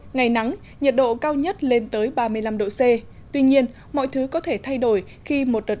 ngày nắng nhiệt độ cao nhất lên tới ba mươi năm độ c tuy nhiên mọi thứ có thể thay đổi khi một đợt